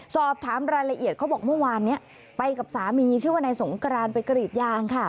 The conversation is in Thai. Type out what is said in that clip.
สอบถามรายละเอียดเขาบอกเมื่อวานนี้ไปกับสามีชื่อว่านายสงกรานไปกรีดยางค่ะ